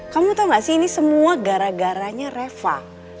kamu tau gak sih ini semua gara garanya reva